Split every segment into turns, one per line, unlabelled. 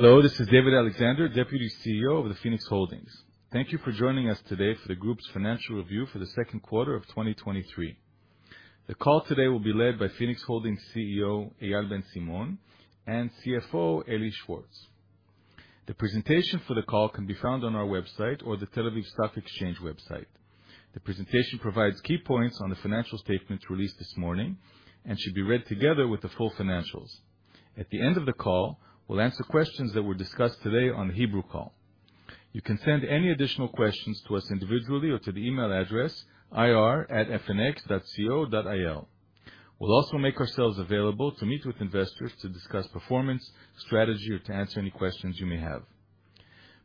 Hello, this is David Alexander, Deputy CEO of Phoenix Holdings. Thank you for joining us today for the group's financial review for the Q2 of 2023. The call today will be led by Phoenix Holdings CEO, Eyal Ben Simon, and CFO, Eli Schwartz. The presentation for the call can be found on our website or the Tel Aviv Stock Exchange website. The presentation provides key points on the financial statements released this morning and should be read together with the full financials. At the end of the call, we'll answer questions that were discussed today on the Hebrew call. You can send any additional questions to us individually or to the email address ir@fnx.co.il. We'll also make ourselves available to meet with investors to discuss performance, strategy, or to answer any questions you may have.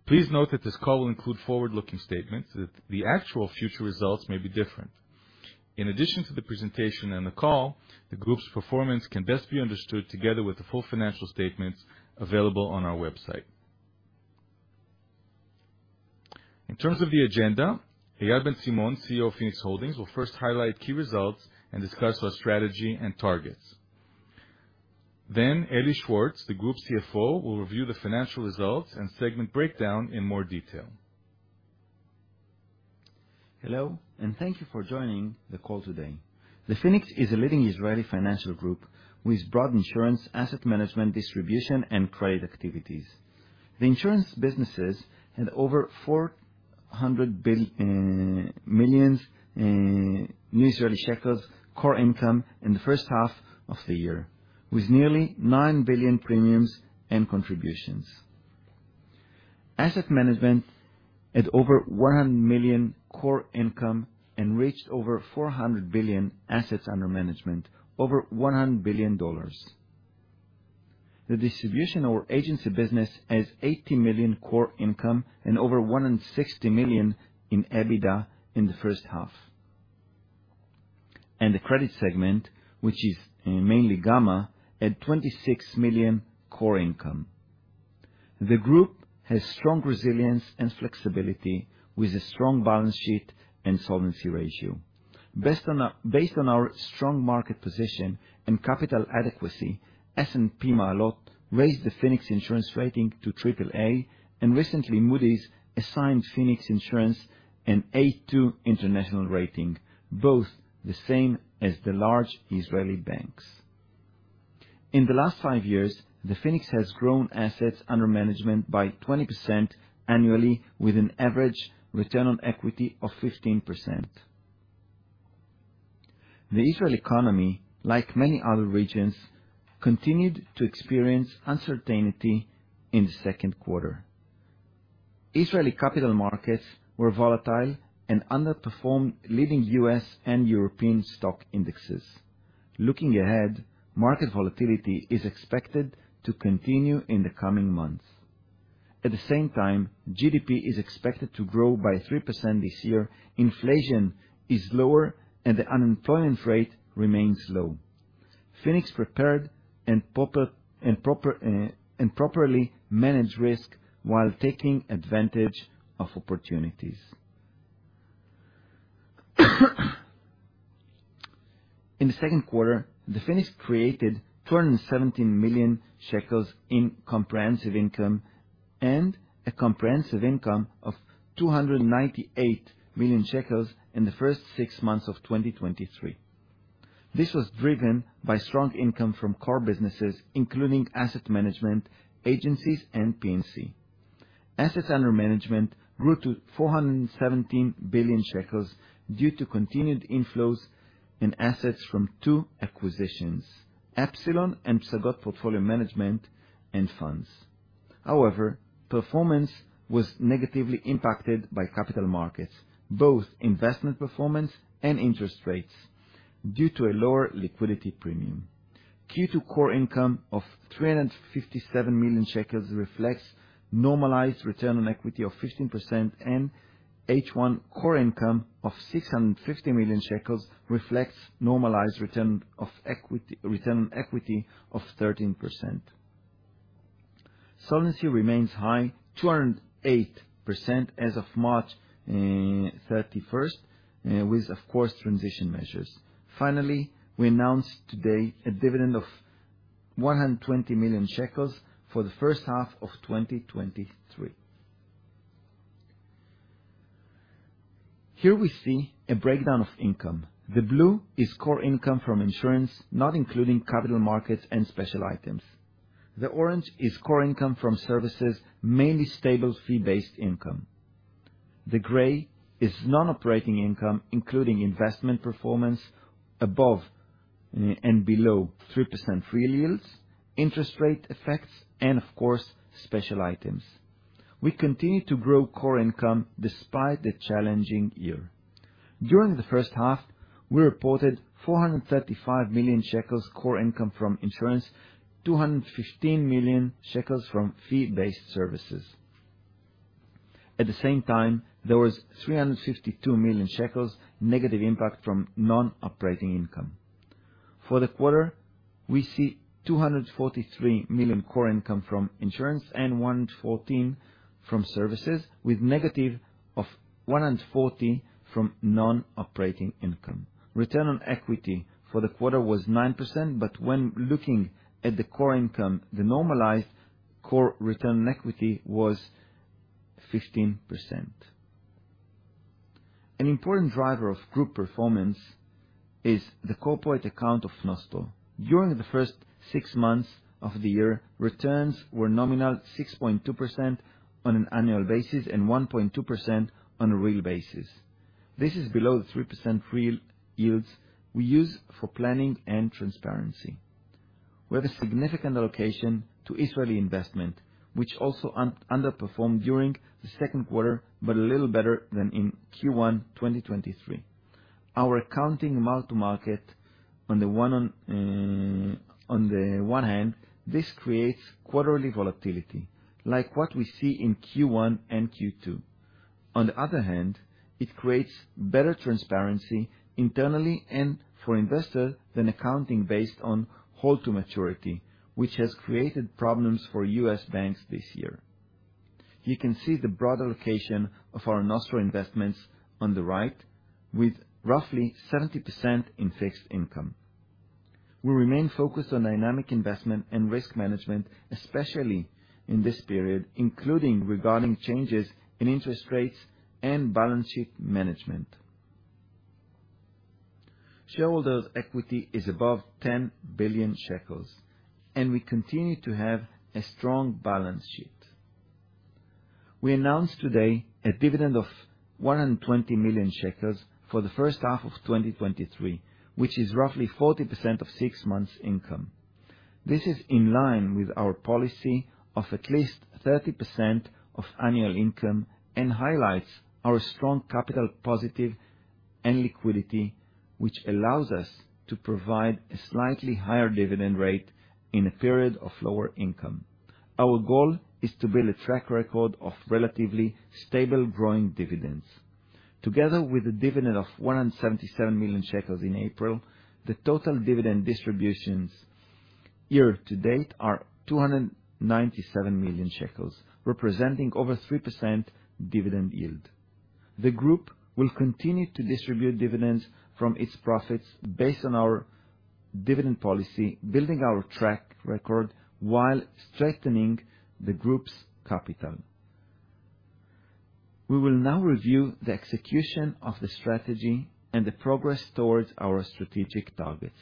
Please note that this call will include forward-looking statements that the actual future results may be different. In addition to the presentation and the call, the group's performance can best be understood together with the full financial statements available on our website. In terms of the agenda, Eyal Ben Simon, CEO of Phoenix Holdings, will first highlight key results and discuss our strategy and targets. Eli Schwartz, the group CFO, will review the financial results and segment breakdown in more detail.
Hello, and thank you for joining the call today. The Phoenix is a leading Israeli financial group with broad insurance, asset management, distribution, and trade activities. The insurance businesses had over 400 million core income in the H1 of the year, with nearly 9 billion premiums and contributions. Asset management at over 100 million core income and reached over 400 billion assets under management, over ILS 100 billion. The distribution of our agency business has 80 million core income and over 160 million in EBITDA in the H1. The credit segment, which is mainly Gamma, at 26 million core income. The group has strong resilience and flexibility with a strong balance sheet and solvency ratio. Based on our strong market position and capital adequacy, S&P Maalot raised the Phoenix Insurance rating to AAA. Recently Moody's assigned Phoenix Insurance an A2 international rating, both the same as the large Israeli banks. In the last five years, the Phoenix has grown assets under management by 20% annually with an average return on equity of 15%. The Israeli economy, like many other regions, continued to experience uncertainty in the Q2. Israeli capital markets were volatile and underperformed leading U.S. and European stock indexes. Looking ahead, market volatility is expected to continue in the coming months. At the same time, GDP is expected to grow by 3% this year, inflation is lower, and the unemployment rate remains low. Phoenix prepared and properly managed risk while taking advantage of opportunities. In the Q2, the Phoenix created 217 million shekels in comprehensive income and a comprehensive income of 298 million shekels in the first six months of 2023. This was driven by strong income from core businesses including asset management, agencies, and P&C. Assets under management grew to 417 billion shekels due to continued inflows in assets from two acquisitions, Epsylon and Psagot Portfolio Management and Funds. However, performance was negatively impacted by capital markets, both investment performance and interest rates, due to a lower illiquidity premium. Q2 core income of 357 million shekels reflects normalized return on equity of 15% and H1 core income of 650 million shekels reflects normalized return on equity of 13%. Solvency remains high, 208% as of March 31st with, of course, transition measures. Finally, we announced today a dividend of 120 million shekels for the H1 of 2023. Here we see a breakdown of income. The blue is core income from insurance, not including capital markets and special items. The orange is core income from services, mainly stable fee-based income. The gray is non-operating income, including investment performance above and below 3% real yields, interest rate effects, and of course, special items. We continue to grow core income despite the challenging year. During the H1, we reported 435 million shekels core income from insurance, 215 million shekels from fee-based services. At the same time, there was 352 million shekels negative impact from non-operating income. For the quarter, we see 243 million core income from insurance and 114 million from services, with negative of 140 million from non-operating income. Return on equity for the quarter was 9%, but when looking at the core income, the normalized core return on equity was 15%. An important driver of group performance is the corporate account of Nostro. During the first six months of the year, returns were nominal 6.2% on an annual basis and 1.2% on a real basis. This is below the 3% real yields we use for planning and transparency. We have a significant allocation to Israeli investment, which also underperformed during the Q2, but a little better than in Q1 2023. Our accounting mark to market on the one hand, this creates quarterly volatility, like what we see in Q1 and Q2. On the other hand, it creates better transparency internally and for investors than accounting based on held to maturity, which has created problems for U.S. banks this year. You can see the broad allocation of our Nostro investments on the right, with roughly 70% in fixed income. We remain focused on dynamic investment and risk management, especially in this period, including regarding changes in interest rates and balance sheet management. Shareholders' equity is above 10 billion shekels, and we continue to have a strong balance sheet. We announced today a dividend of 120 million shekels for the H1 of 2023, which is roughly 40% of six months' income. This is in line with our policy of at least 30% of annual income and highlights our strong capital positive and liquidity, which allows us to provide a slightly higher dividend rate in a period of lower income. Our goal is to build a track record of relatively stable growing dividends. Together with a dividend of 177 million shekels in April, the total dividend distributions year to date are 297 million shekels, representing over 3% dividend yield. The group will continue to distribute dividends from its profits based on our dividend policy, building our track record while strengthening the group's capital. We will now review the execution of the strategy and the progress towards our strategic targets.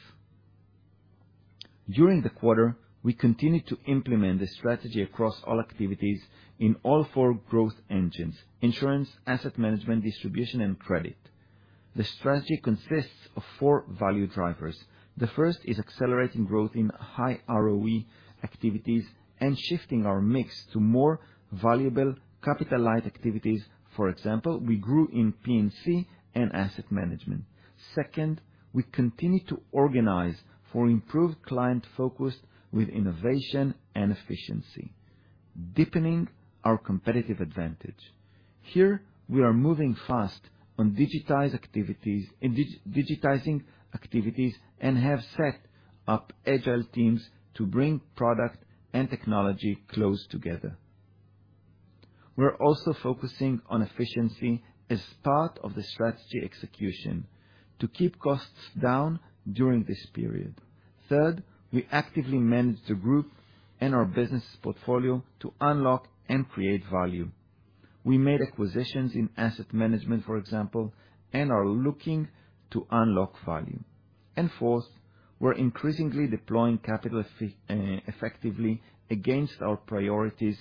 During the quarter, we continued to implement this strategy across all activities in all four growth engines: insurance, asset management, distribution, and credit. The strategy consists of four value drivers. The first is accelerating growth in high ROE activities and shifting our mix to more valuable capital-light activities. For example, we grew in P&C and asset management. Second, we continue to organize for improved client focus with innovation and efficiency, deepening our competitive advantage. Here, we are moving fast on digitizing activities and have set up agile teams to bring product and technology close together. We're also focusing on efficiency as part of the strategy execution to keep costs down during this period. Third, we actively manage the group and our business portfolio to unlock and create value. We made acquisitions in asset management, for example, and are looking to unlock value. Fourth, we're increasingly deploying capital effectively against our priorities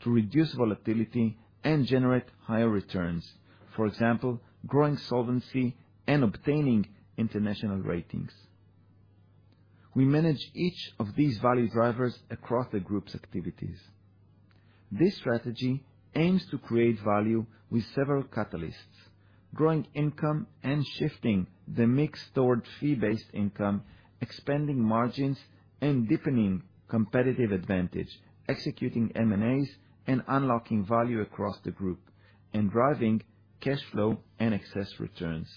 to reduce volatility and generate higher returns. For example, growing solvency and obtaining international ratings. We manage each of these value drivers across the group's activities. This strategy aims to create value with several catalysts, growing income and shifting the mix towards fee-based income, expanding margins, and deepening competitive advantage, executing M&As, and unlocking value across the group, and driving cash flow and excess returns.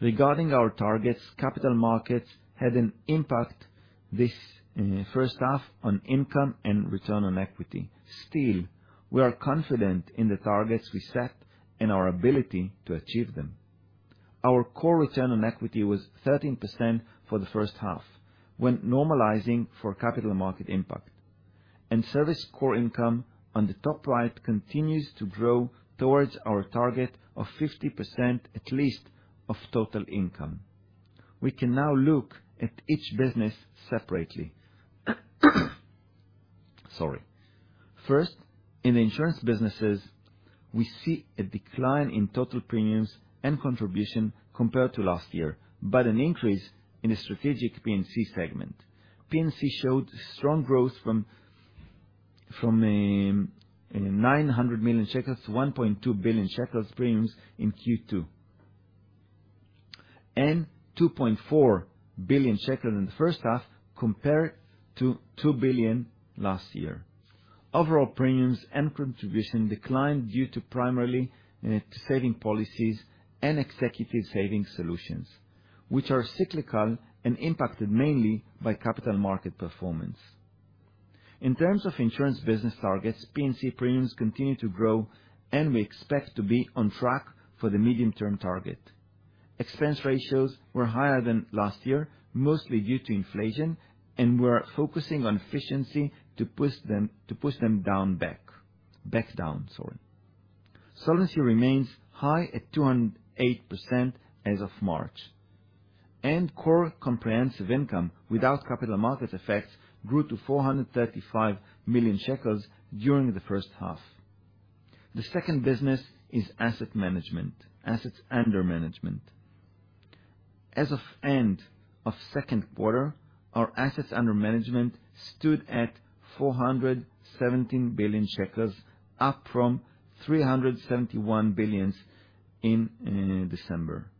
Regarding our targets, capital markets had an impact this H1 on income and return on equity. We are confident in the targets we set and our ability to achieve them. Our core return on equity was 13% for the H1 when normalizing for capital market impact. Service core income on the top right continues to grow towards our target of 50%, at least, of total income. We can now look at each business separately. Sorry. First, in the insurance businesses, we see a decline in total premiums and contribution compared to last year, but an increase in the strategic P&C segment. P&C showed strong growth from 900-1.2 billion shekels premiums in Q2, and 2.4 billion shekels in the H1 compared to 2 billion last year. Overall premiums and contribution declined due to primarily saving policies and executive saving solutions, which are cyclical and impacted mainly by capital market performance. In terms of insurance business targets, P&C premiums continue to grow, and we expect to be on track for the medium-term target. Expense ratios were higher than last year, mostly due to inflation, and we're focusing on efficiency to push them down back. Back down, sorry. Solvency remains high at 208% as of March, and core comprehensive income without capital market effects grew to 435 million shekels during the H1. The second business is asset management, assets under management. As of end of Q2, our assets under management stood at 417 billion shekels, up from 371 billion in December.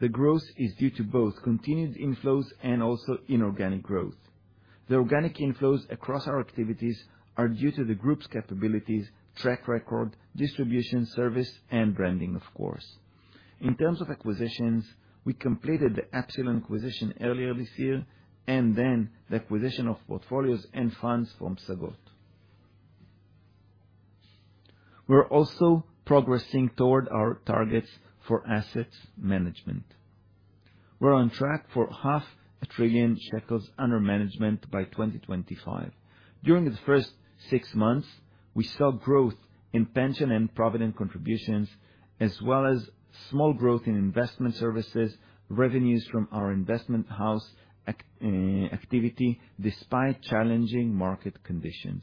The growth is due to both continued inflows and also inorganic growth. The organic inflows across our activities are due to the group's capabilities, track record, distribution service, and branding, of course. In terms of acquisitions, we completed the Epsylon acquisition earlier this year, and then the acquisition of portfolios and funds from Psagot. We are also progressing toward our targets for assets management. We are on track for half a trillion ILS under management by 2025. During the first six months, we saw growth in pension and provident contributions, as well as small growth in investment services, revenues from our investment house activity, despite challenging market conditions.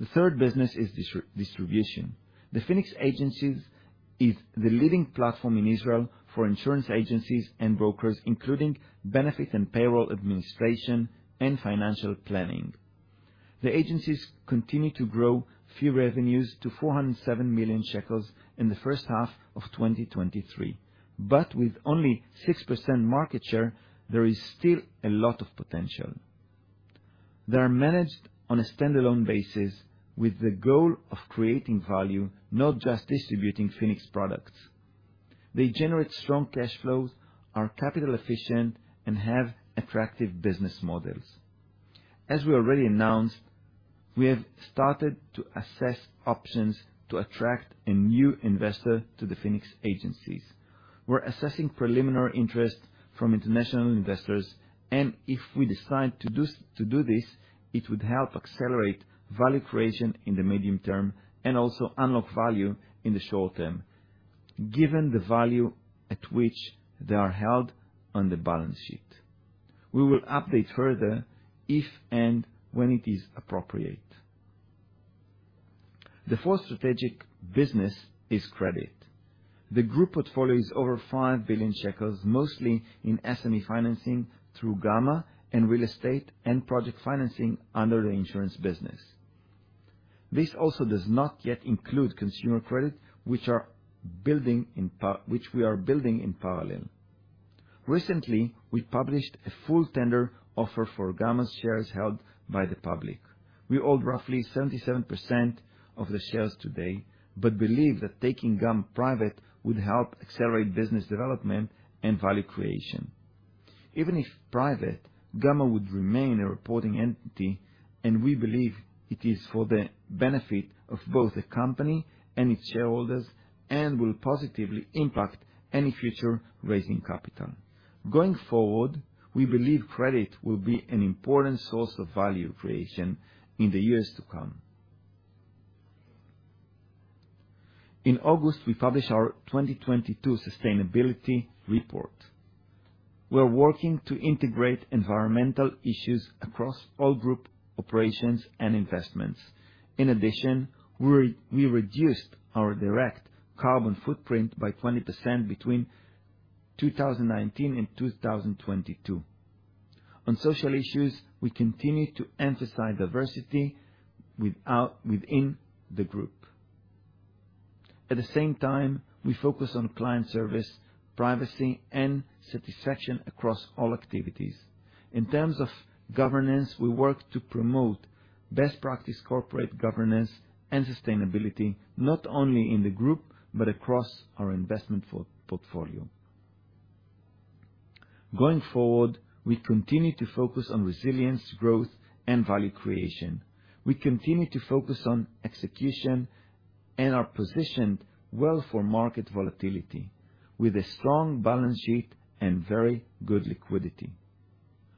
The third business is distribution. The Phoenix Agencies is the leading platform in Israel for insurance agencies and brokers, including benefit and payroll administration and financial planning. The agencies continue to grow fee revenues to 407 million shekels in the H1 of 2023. With only 6% market share, there is still a lot of potential. They are managed on a standalone basis with the goal of creating value, not just distributing Phoenix products. They generate strong cash flows, are capital efficient, and have attractive business models. As we already announced, we have started to assess options to attract a new investor to the Phoenix Agencies. We are assessing preliminary interest from international investors, and if we decide to do this, it would help accelerate value creation in the medium term, and also unlock value in the short term, given the value at which they are held on the balance sheet. We will update further if and when it is appropriate. The fourth strategic business is credit. The group portfolio is over 5 billion shekels, mostly in SME financing through Gamma and real estate and project financing under the insurance business. This also does not yet include consumer credit, which we are building in parallel. Recently, we published a full tender offer for Gamma's shares held by the public. We hold roughly 77% of the shares today, believe that taking Gamma private would help accelerate business development and value creation. Even if private, Gamma would remain a reporting entity, and we believe it is for the benefit of both the company and its shareholders and will positively impact any future raising capital. Going forward, we believe credit will be an important source of value creation in the years to come. In August, we published our 2022 sustainability report. We are working to integrate environmental issues across all group operations and investments. In addition, we reduced our direct carbon footprint by 20% between 2019 and 2022. At the same time, we focus on client service, privacy, and satisfaction across all activities. In terms of governance, we work to promote best practice corporate governance and sustainability not only in the group, but across our investment portfolio. Going forward, we continue to focus on resilience, growth, and value creation. We continue to focus on execution and are positioned well for market volatility with a strong balance sheet and very good liquidity.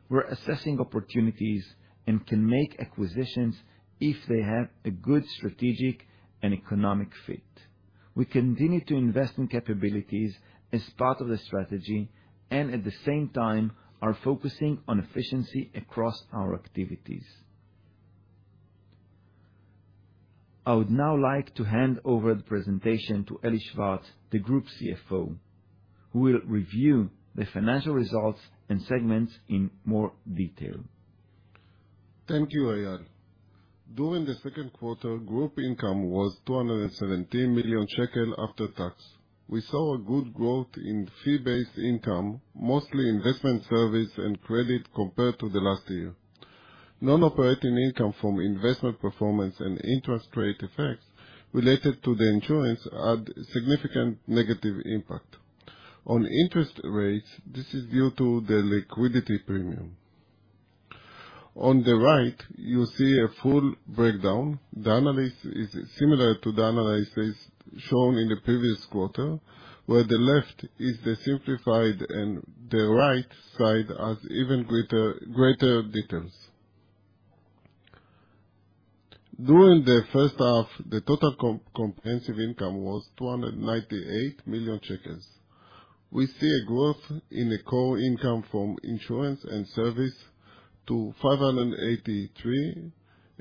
We are assessing opportunities and can make acquisitions if they have a good strategic and economic fit. We continue to invest in capabilities as part of the strategy, and at the same time, are focusing on efficiency across our activities. I would now like to hand over the presentation to Eli Schwartz, the Group CFO, who will review the financial results and segments in more detail.
Thank you, Eyal. During the Q2, group income was 217 million shekel after tax. We saw a good growth in fee-based income, mostly investment service and credit compared to the last year. Non-operating income from investment performance and interest rate effects related to the insurance had significant negative impact. On interest rates, this is due to the illiquidity premium. On the right, you see a full breakdown. The analysis is similar to the analysis shown in the previous quarter, where the left is the simplified and the right side has even greater details. During the H1, the total comprehensive income was 298 million shekels. We see a growth in the core income from insurance and service to 583 million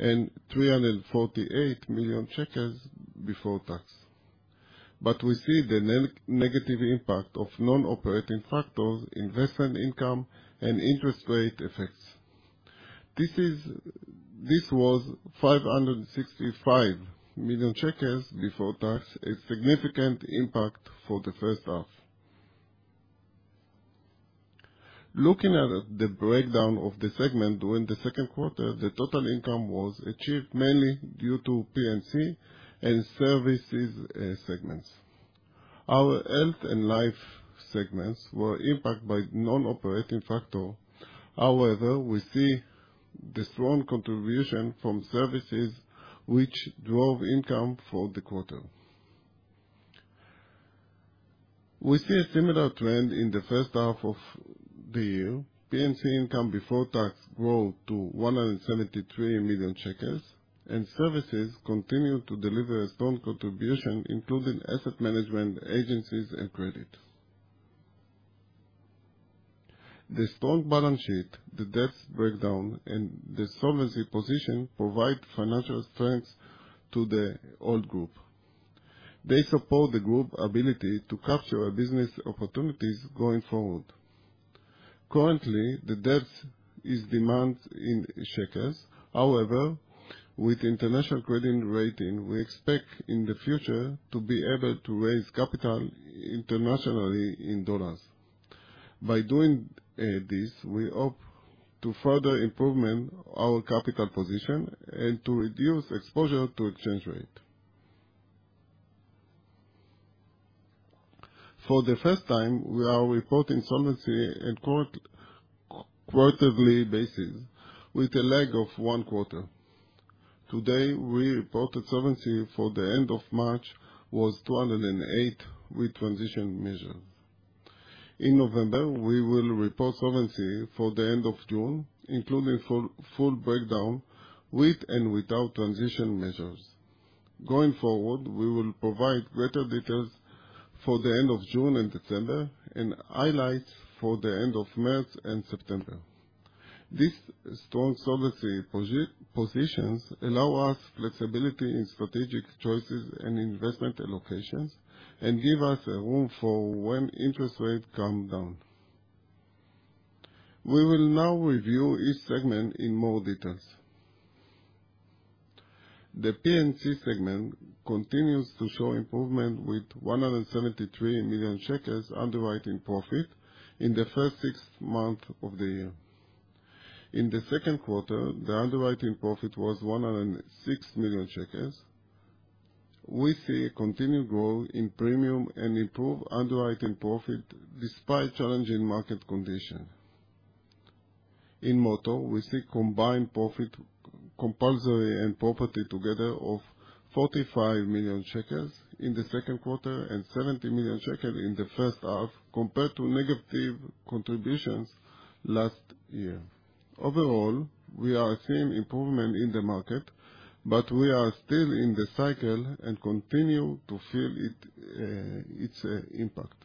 and 348 million shekels before tax. We see the negative impact of non-operating factors, investment income, and interest rate effects. This was 565 million shekels before tax, a significant impact for the H1. Looking at the breakdown of the segment during the Q2, the total income was achieved mainly due to P&C and services segments. Our health and life segments were impacted by non-operating factor. We see the strong contribution from services which drove income for the quarter. We see a similar trend in the H1 of the year. P&C income before tax grew to 173 million shekels, and services continued to deliver a strong contribution, including asset management agencies and credit. The strong balance sheet, the debt breakdown, and the solvency position provide financial strength to the whole group. They support the group ability to capture business opportunities going forward. Currently, the debt is demand in ILS. With international credit rating, we expect in the future to be able to raise capital internationally in USD. By doing this, we hope to further improvement our capital position and to reduce exposure to exchange rate. For the first time, we are reporting solvency in quarterly basis with a lag of one quarter. Today, we reported solvency for the end of March was 208 with transition measures. In November, we will report solvency for the end of June, including full breakdown with and without transition measures. Going forward, we will provide greater details for the end of June and December, and highlight for the end of March and September. This strong solvency positions allow us flexibility in strategic choices and investment allocations and give us a room for when interest rate come down. We will now review each segment in more details. The P&C segment continues to show improvement with 173 million shekels underwriting profit in the first six months of the year. In the Q2, the underwriting profit was 106 million shekels. We see a continued growth in premium and improved underwriting profit despite challenging market condition. In motor, we see combined profit, compulsory and property together of 45 million shekels in the Q2 and 70 million shekels in the H1 compared to negative contributions last year. Overall, we are seeing improvement in the market, we are still in the cycle and continue to feel its impact.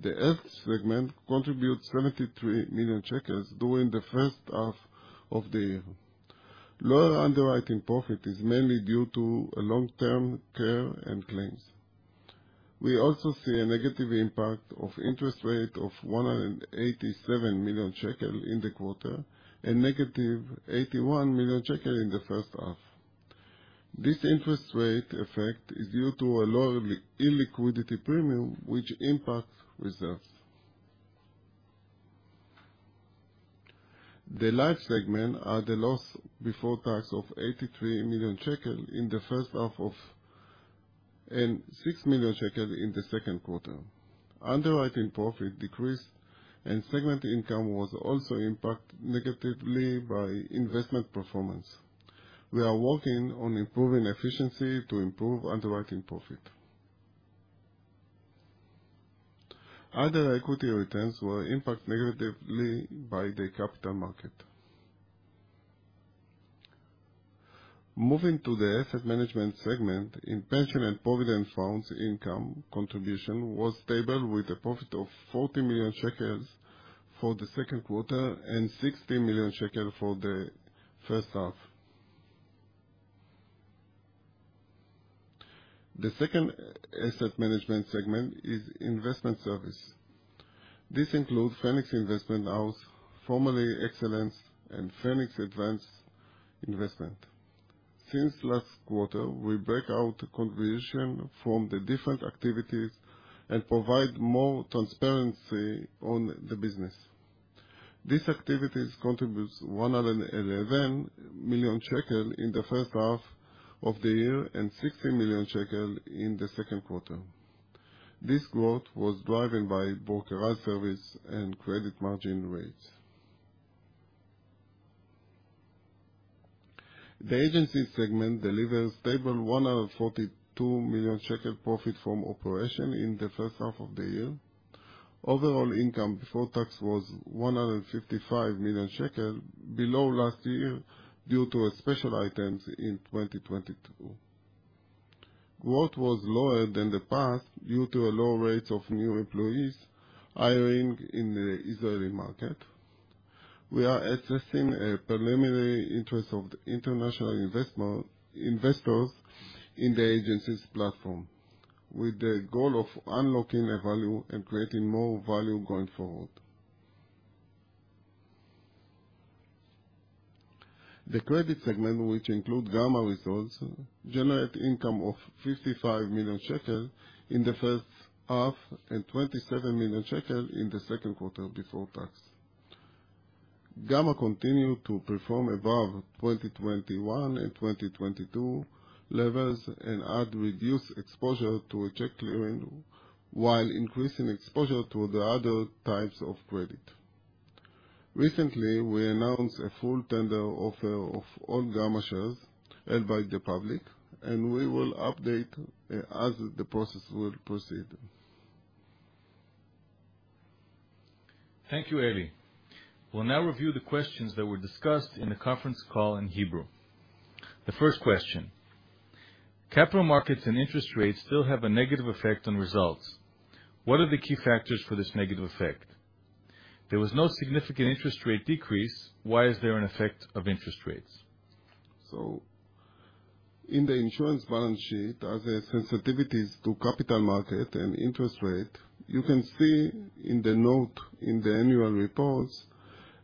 The health segment contributes 73 million shekels during the H1 of the year. Lower underwriting profit is mainly due to long-term care and claims. We also see a negative impact of interest rate of 187 million shekel in the quarter and negative 81 million shekel in the H1. This interest rate effect is due to a lower illiquidity premium which impacts reserves. The life segment had a loss before tax of 83 million shekel in the H1 and 6 million shekel in the Q2. Underwriting profit decreased, and segment income was also impacted negatively by investment performance. We are working on improving efficiency to improve underwriting profit. Other equity returns were impacted negatively by the capital market. Moving to the asset management segment, in pension and provident funds income contribution was stable with a profit of 40 million shekels for the Q2 and 60 million shekels for the H1. The second asset management segment is investment service. This includes Phoenix Investment House, formerly Excellence, and Phoenix Advanced Investments. Since last quarter, we break out contribution from the different activities and provide more transparency on the business. These activities contribute 111 million shekel in the H1 of the year and 60 million shekel in the Q2. this growth was driven by brokerages service and credit margin rates. The agency segment delivers stable 142 million shekel profit from operation in the H1 of the year. Overall income before tax was 155 million shekel, below last year due to special items in 2022. Growth was lower than the past due to a low rate of new employees hiring in the Israeli market. We are assessing a preliminary interest of the international investors in the agencies platform, with the goal of unlocking a value and creating more value going forward. The credit segment, which include Gamma results, generate income of 55 million shekels in the H1 and 27 million shekels in the Q2 before tax. Gamma continued to perform above 2021 and 2022 levels and had reduced exposure to a check clearing while increasing exposure to the other types of credit. Recently, we announced a full tender offer of all Gamma shares held by the public, and we will update as the process will proceed.
Thank you, Eli. We'll now review the questions that were discussed in the conference call in Hebrew. The first question. Capital markets and interest rates still have a negative effect on results. What are the key factors for this negative effect? There was no significant interest rate decrease. Why is there an effect of interest rates?
In the insurance balance sheet, are there sensitivities to capital market and interest rate? You can see in the note in the annual reports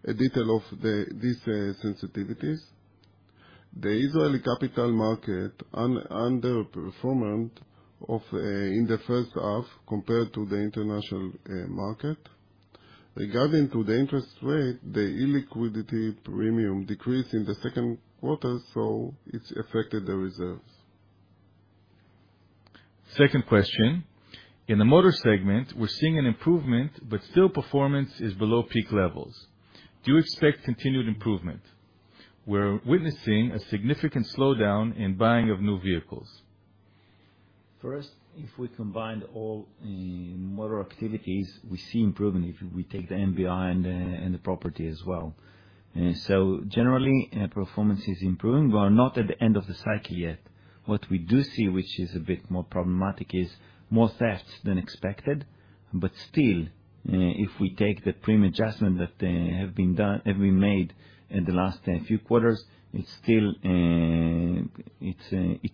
a detail of these sensitivities. The Israeli capital market underperformed in the H1 compared to the international market. Regarding to the interest rate, the illiquidity premium decreased in the Q2, so it's affected the reserves.
Second question. In the motor segment, we're seeing an improvement, but still performance is below peak levels. Do you expect continued improvement? We're witnessing a significant slowdown in buying of new vehicles.
First, if we combined all motor activities, we see improvement if we take the MBI and the property as well. Generally, performance is improving. We are not at the end of the cycle yet. What we do see, which is a bit more problematic, is more thefts than expected. Still, if we take the premium adjustment that have been made in the last few quarters, it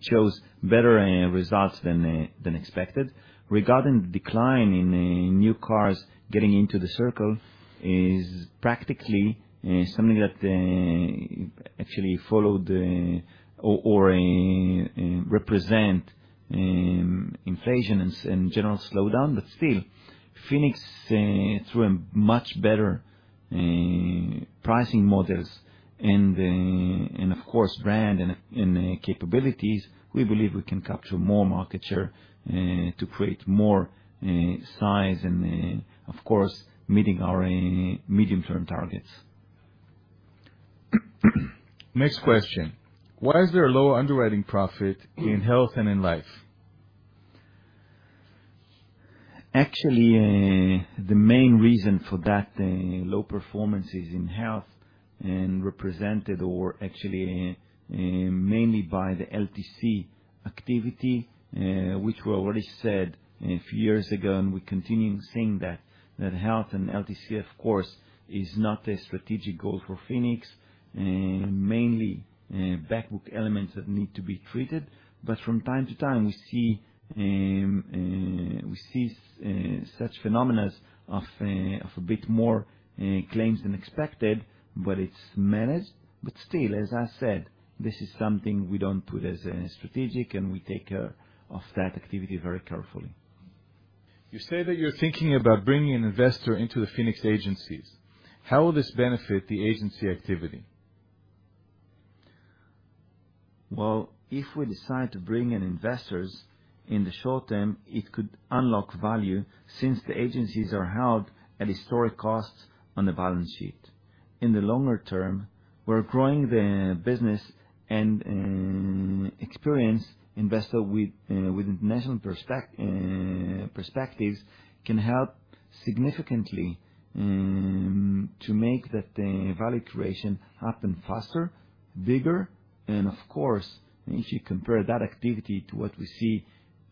shows better results than expected. Regarding the decline in new cars getting into the circle is practically something that actually followed or represent inflation and general slowdown. Still, Phoenix through a much better pricing models and of course, brand and capabilities, we believe we can capture more market share to create more size and, of course, meeting our medium-term targets.
Next question. Why is there a lower underwriting profit in health and in life?
Actually, the main reason for that low performance is in health and represented or actually mainly by the LTC activity, which we already said a few years ago, and we continue saying that health and LTC, of course, is not a strategic goal for Phoenix. Mainly back book elements that need to be treated. From time to time, we see such phenomena of a bit more claims than expected. It's managed. Still, as I said, this is something we don't put as strategic, and we take care of that activity very carefully.
You say that you're thinking about bringing an investor into the Phoenix Agencies. How will this benefit the agency activity?
Well, if we decide to bring in investors in the short term, it could unlock value since the agencies are held at historic costs on the balance sheet. In the longer term, we're growing the business and experienced investor with national perspectives can help significantly to make that value creation happens faster, bigger, and of course, if you compare that activity to what we see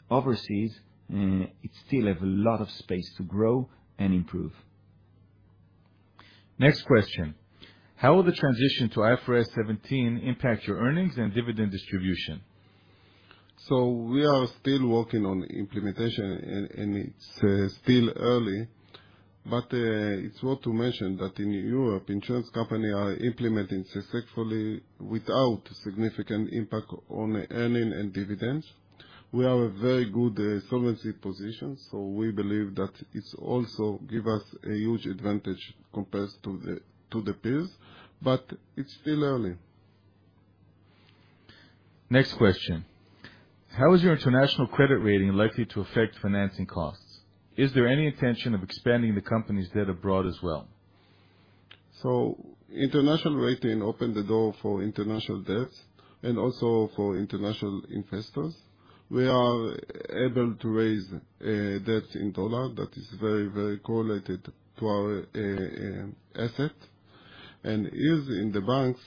overseas, it still has a lot of space to grow and improve.
Next question. How will the transition to IFRS 17 impact your earnings and dividend distribution?
We are still working on implementation, and it's still early. It's worth to mention that in Europe, insurance company are implementing successfully without significant impact on earnings and dividends. We have a very good solvency position. We believe that it also gives us a huge advantage compared to the peers. It's still early.
Next question: how is your international credit rating likely to affect financing costs? Is there any intention of expanding the company's debt abroad as well?
International rating opened the door for international debt and also for international investors. We are able to raise debts in USD that is very correlated to our asset, and is in the banks,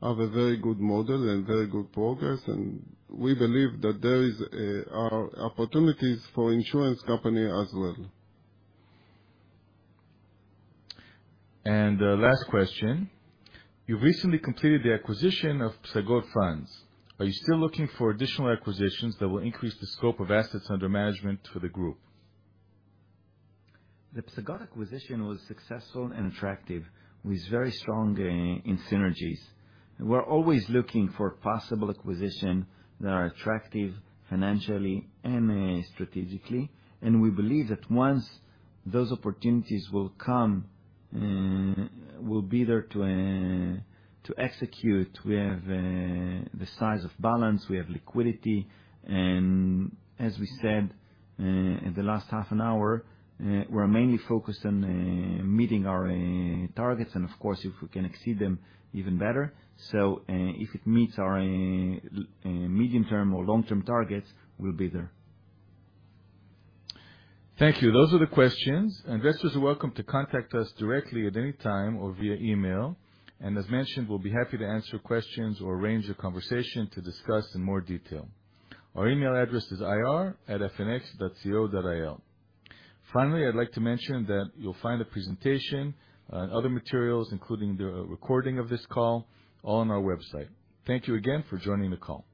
have a very good model and very good progress, and we believe that there are opportunities for insurance company as well.
Last question. You recently completed the acquisition of Psagot Funds. Are you still looking for additional acquisitions that will increase the scope of assets under management for the group?
The Psagot acquisition was successful and attractive with very strong synergies. We're always looking for possible acquisition that are attractive financially and strategically, and we believe that once those opportunities will come, we'll be there to execute. We have the size of balance, we have liquidity, and as we said in the last half an hour, we're mainly focused on meeting our targets, and of course, if we can exceed them, even better. If it meets our medium-term or long-term targets, we'll be there.
Thank you. Those are the questions. Investors are welcome to contact us directly at any time or via email. As mentioned, we'll be happy to answer questions or arrange a conversation to discuss in more detail. Our email address is ir@fnx.co.il. Finally, I'd like to mention that you'll find a presentation and other materials, including the recording of this call, all on our website. Thank you again for joining the call.